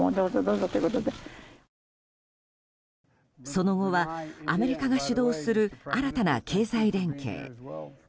その後は、アメリカが主導する新たな経済連携